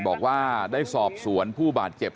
บอกว่าได้สอบสวนผู้บาดเจ็บ